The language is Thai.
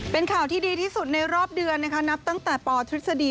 เป็นข่าวที่ดีที่สุดในรอบเดือนนะคะนับตั้งแต่ปทฤษฎี